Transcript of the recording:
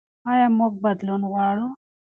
ایا موږ بدلون غواړو؟